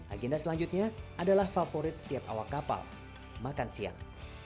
agenda selanjutnya adalah favorit setiap awak kapal makan siang